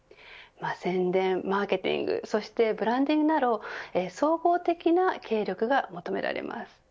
宣伝、マーケティングブランディングなど総合的な経営力が求められます。